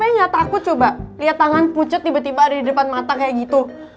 ntarik gue ke dalam ruangan mayat